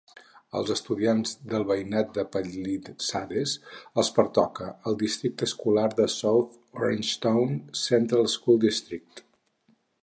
Als estudiants del veïnat de Palisades els pertoca el districte escolar de South Orangetown Central School District.